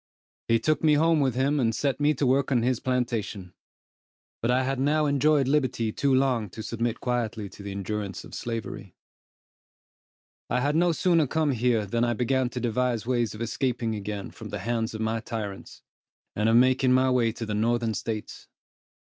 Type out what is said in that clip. He took me home with him, and set me to work on his plantation; but I had now enjoyed liberty too long to submit quietly to the endurance of slavery. I had no sooner come here, than I began to devise ways of escaping again from the hands of my tyrants, and of making my way to the northern States.